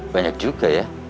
banyak juga ya